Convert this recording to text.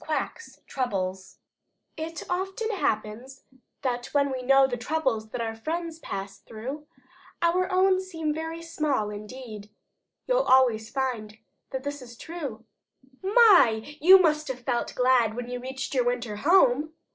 QUACK'S TROUBLES It often happens when we know The troubles that our friends pass through, Our own seem very small indeed; You'll always find that this is true. "My, you must have felt glad when you reached your winter home!"